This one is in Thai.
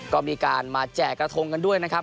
ก็มีการมาแจกกระทงกันด้วยนะครับ